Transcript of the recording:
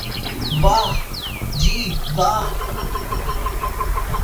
واہ جی واہ